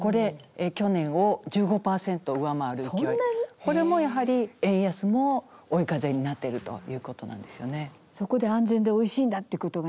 これもやはり円安も追い風になっているということなんですよね。